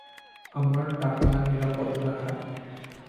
আমার টাকা নিরাপদ রাখা।